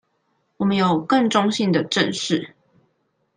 我們有更中性的「正視」